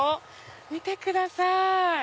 見てください。